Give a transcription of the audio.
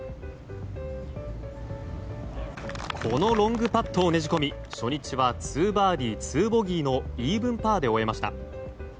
このロングパットをねじ込み初日は２バーディー２ボギーのイーブンパーで終えました。